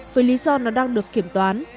với lý do nó đang được kiểm toán